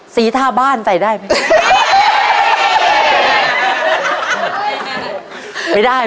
สีทาบ้านใส่ได้ไหม